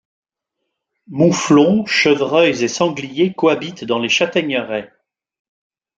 Mouflons, chevreuils et sangliers cohabitent dans les châtaigneraies.